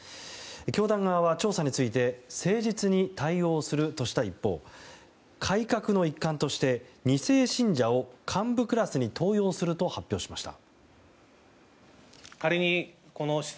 教団側は、調査について誠実に対応するとした一方改革の一環として、２世信者を幹部クラスに登用すると発表しました。